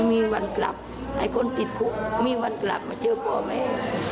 มีวันกลับให้คนติดคุกมีวันกลับมาเจอพ่อแม่